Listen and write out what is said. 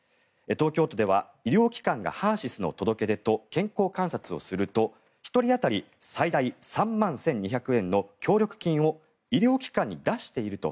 東京都では医療機関がＨＥＲ−ＳＹＳの届け出と健康観察をすると１人当たり最大３万１２００円の協力金を医療機関に出していると。